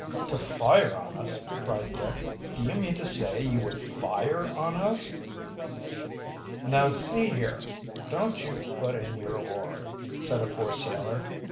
"To fire on us!" cried Dick. "Do you mean to say you would fire on us?" "Now, see here, don't you put in your oar," said a fourth sailor.